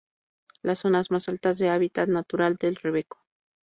Las zonas más altas es hábitat natural del rebeco.